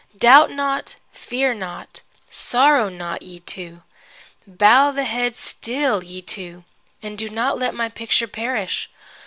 Doubt not, fear not, sorrow not, ye two. Bow the head still, ye two, and let not my picture perish.